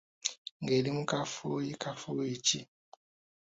Ng’eri mu kafuuyi Kafuuyi ki?